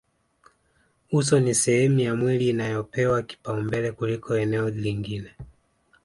Uso ni sehemu ya mwili inayopewa kipaumbele kuliko eneo lingine